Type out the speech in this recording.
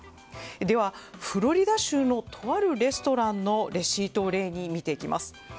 では、フロリダ州のとあるレストランのレシートを例に見ていきます。